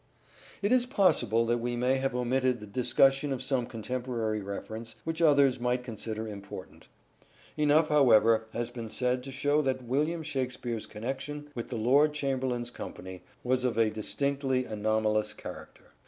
It is possible that we may have omitted the dis cussion of some contemporary reference which others might consider important. Enough, however, has been said to show that William Shakspere's connection with the Lord Chamberlain's company was of a 84 " SHAKESPEARE " IDENTIFIED distinctly anomalous character.